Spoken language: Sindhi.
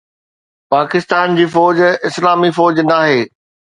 پاڪستان جي فوج اسلامي فوج ناهي